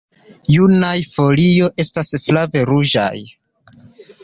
Junaj folio estas flave ruĝaj.